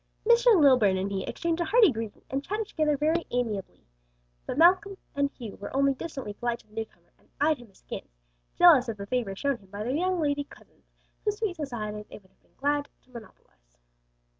Mr. Lilburn and he exchanged a hearty greeting and chatted together very amicably, but Malcom and Hugh were only distantly polite to the newcomer and eyed him askance, jealous of the favor shown him by their young lady cousins, whose sweet society they would have been glad to monopolize.